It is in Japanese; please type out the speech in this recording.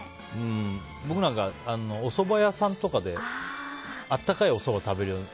僕なんか、おそば屋さんとかで温かいおそば食べるね。